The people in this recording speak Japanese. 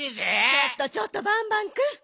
ちょっとちょっとバンバンくん。